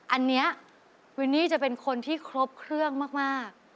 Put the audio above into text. อันนี้วินนี่จะเป็นคนที่ครบเครื่องมาก